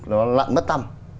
nó lặn mất tâm